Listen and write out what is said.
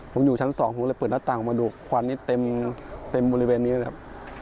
ผมอยู่ชั้นสองผมเลยเปิดหน้าต่างออกมาดูควันนี่เต็มบริเวณนี้เลยครับ